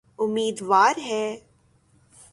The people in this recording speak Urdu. امیدوار ہے۔